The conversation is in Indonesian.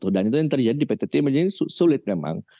dan itu yang terjadi di pt timur ini sulit memang